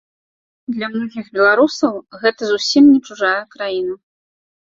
Для многіх беларусаў гэта зусім не чужая краіна.